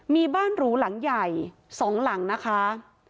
มีบ้านหรูหลังใหญ่๒หลังนะคะ